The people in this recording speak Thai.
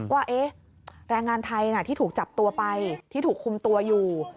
ว่าแรงงานไทยที่ถูกจับตัวไปที่ถูกคุมตัวอยู่